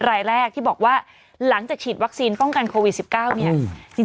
รายแรกที่บอกว่าหลังจากฉีดวัคซีนป้องกันโควิด๑๙เนี่ย